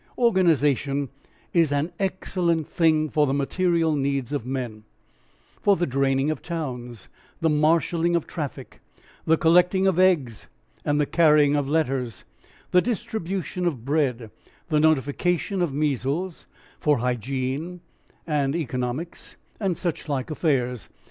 Organisation is an excellent thing for the material needs of men, for the draining of towns, the marshalling of traffic, the collecting of eggs, and the carrying of letters, the distribution of bread, the notification of measles, for hygiene and economics and suchlike affairs.